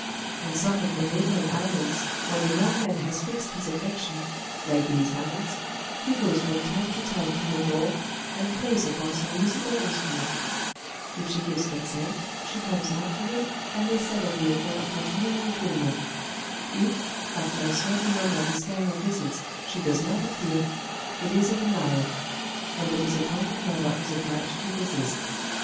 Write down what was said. In some of the neighboring islands, when a young man has fixed his affection, like the Italians, he goes from time to time to her door, and plays upon some musical instrument; if she gives consent, she comes out to him, and they settle the affair of matrimony between them; if, after a certain number of these kind of visits, she does not appear, it is a denial; and the disappointed lover is obliged to desist.